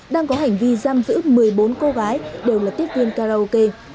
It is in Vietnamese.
đang có hành vi giam giữ một mươi bốn cô gái đều là tiếp viên karaoke